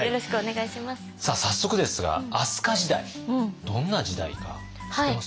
早速ですが飛鳥時代どんな時代か知ってます？